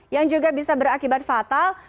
yang juga bisa berakibat fatal